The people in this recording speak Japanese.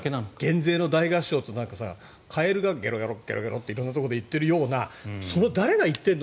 減税の大合唱ってカエルがゲロゲロって色んなところで言っているような誰が言っているの？